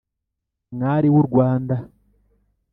mwari w’u rwanda